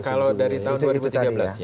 kalau dari tahun dua ribu tiga belas ya